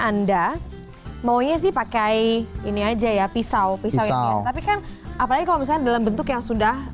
anda maunya sih pakai ini aja ya pisau pisau ya tapi kan apalagi kalau misalnya dalam bentuk yang sudah